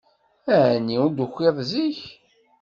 Ɛni ur d-tukiḍ zik?